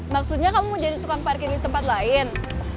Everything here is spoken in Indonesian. maksudnya kamu jadi tukang parkir di tempat lain